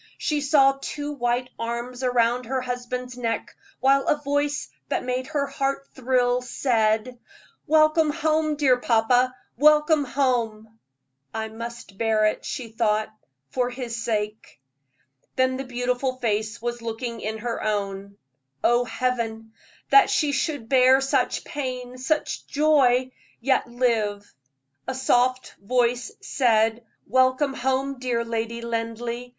She saw two white arms around her husband's neck, while a voice that made her heart thrill said: "Welcome home, dear papa welcome home!" "I must bear it," she thought, "for his sake." Then the beautiful face was looking in her own. Oh, Heaven! that she should bear such pain, such joy, yet live. A soft voice said: "Welcome home, dear Lady Linleigh.